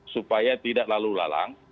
supaya tidak lalu lalang